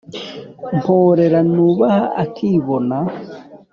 Mporera Nubaha akibona.